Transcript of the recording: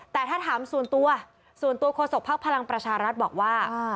แต่ถ้าถามส่วนตัวส่วนตัวโฆษกภักดิ์พลังประชารัฐบอกว่า